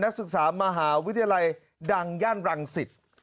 นักศึกษามหาวิทยาลัยดังยั้นรังศิษย์